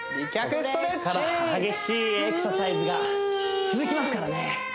ここから激しいエクササイズが続きますからね